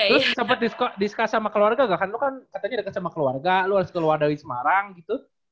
terus sempet discuss sama keluarga gak kan lu kan katanya deket sama keluarga lu harus keluar dari semarang gitu